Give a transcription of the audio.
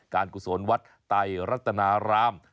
กุศลวัดไตรัตนาราม